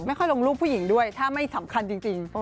ลงรูปผู้หญิงด้วยถ้าไม่สำคัญจริง